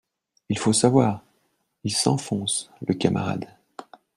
Il faut savoir, Il s’enfonce, le camarade